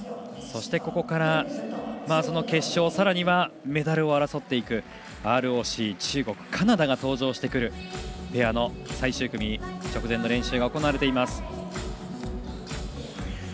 そして、ここから決勝さらにはメダルを争っていくＲＯＣ、中国、カナダが登場するペアの最終組の直前の練習が行われています。